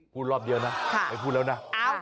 รอบเดียวนะไม่พูดแล้วนะ